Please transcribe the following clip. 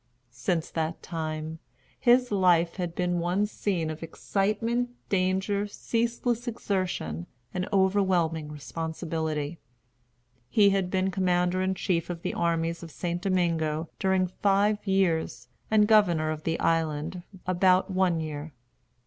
Since that time, his life had been one scene of excitement, danger, ceaseless exertion, and overwhelming responsibility. He had been commander in chief of the armies of St. Domingo during five years, and governor of the island about one year.